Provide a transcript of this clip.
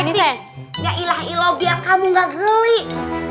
ini sesudah mau ngulek